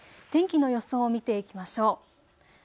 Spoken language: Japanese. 天気の予想を見ていきましょう。